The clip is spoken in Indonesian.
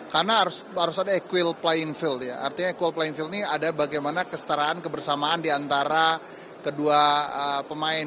karena harus ada equal playing field ya artinya equal playing field ini ada bagaimana kestaraan kebersamaan diantara kedua pemain